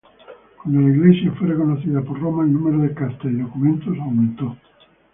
Cuando la Iglesia fue reconocida por Roma, el número de cartas y documentos aumento.